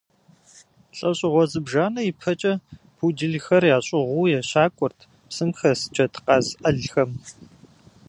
Лӏэщӏыгъуэ зыбжанэ ипэкӏэ пуделхэр ящӏыгъуу ещакӏуэрт псым хэс джэдкъаз ӏэлхэм.